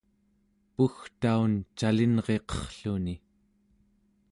pugtaun calinriqerrluni